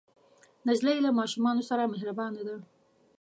نجلۍ له ماشومانو سره مهربانه ده.